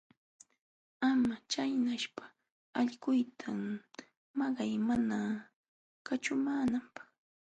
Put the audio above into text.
Ama chaynaspa allquyta maqay mana kaćhumaananpaq.